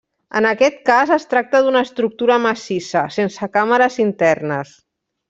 En aquest cas, es tracta d'una estructura massissa, sense càmeres internes.